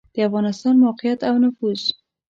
د افغانستان موقعیت او نفوس